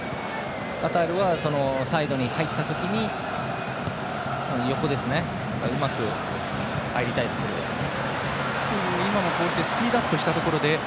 カタールはサイドに入った時に横にうまく入りたいところですね。